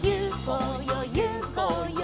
「ゆこうよ